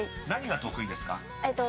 ［何が得意ですか？］